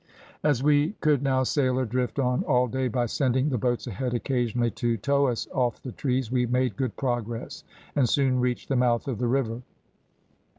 "As we could now sail or drift on all day by sending the boats ahead occasionally to tow us off the trees, we made good progress, and soon reached the mouth of the river.